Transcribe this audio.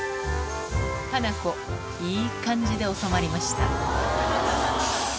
ハナコいい感じで収まりました